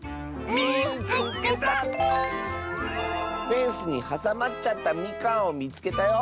「フェンスにはさまっちゃったみかんをみつけたよ」。